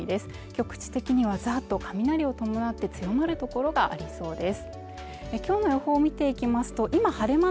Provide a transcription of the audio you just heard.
局地的にはざっと雷を伴って強まる所がありそうです